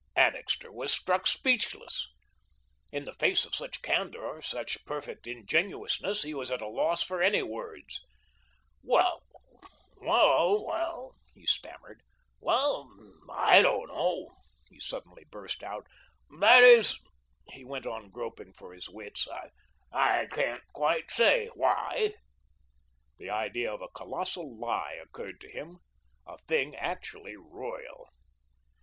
Annixter was struck speechless. In the face of such candour, such perfect ingenuousness, he was at a loss for any words. "Well well," he stammered, "well I don't know," he suddenly burst out. "That is," he went on, groping for his wits, "I can't quite say why." The idea of a colossal lie occurred to him, a thing actually royal.